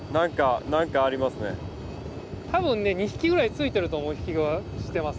多分ね２匹ぐらいついてると思うひきはしてます。